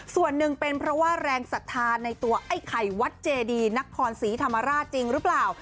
ส่วนหนึ่งเป็นเพราะว่าแรงศรัทธาในตัวไอ้ไข่วัดเจดีนครศรีธรรมราชจริงหรือเปล่า